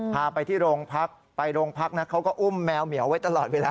พาไปที่โรงพักไปโรงพักนะเขาก็อุ้มแมวเหมียวไว้ตลอดเวลา